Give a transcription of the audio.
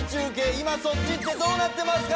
今、そっちってどうなってますか？』。